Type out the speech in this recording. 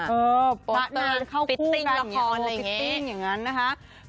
เออประตุรินเข้าคู่แบบนี้พิตติ้งอย่างนั้นนะคะภาพฟรีเวดดิ้ง